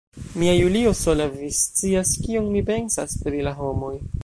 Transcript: Mia Julio, sola vi scias, kion mi pensas pri la homoj.